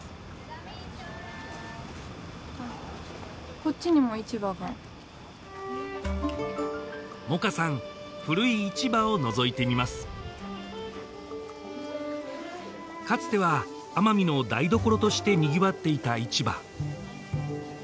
こっちにも市場が萌歌さん古い市場をのぞいてみますかつては奄美の台所としてにぎわっていた市場